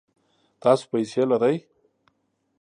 تاسو پیسې لرئ؟